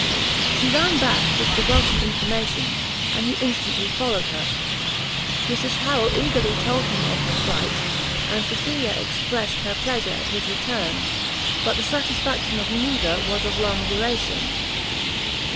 She ran back with the welcome information, and he instantly followed her; Mrs Harrel eagerly told him of her fright, and Cecilia expressed her pleasure at his return; but the satisfaction of neither was of long duration.